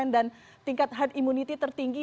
dan tingkat heart immunity tertinggi